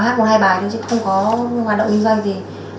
hát một hai bài thôi chứ không có hoạt động kinh doanh gì